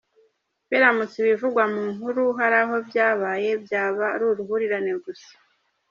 Biramutse ibivugwa mu nkuru hari aho byabaye byaba ari uruhurirane gusa.